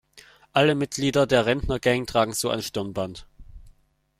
Alle Mitglieder der Rentnergang tragen so ein Stirnband.